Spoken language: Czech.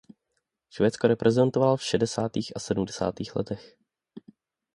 Švédsko reprezentoval v šedesátých a sedmdesátých letech.